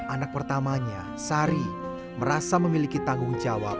anak pertamanya sari merasa memiliki tanggung jawab